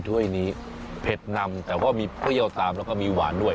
ถ้วยนี้เผ็ดน้ำแต่ก็มีผ้าเยาตามแล้วก็มีหวานด้วย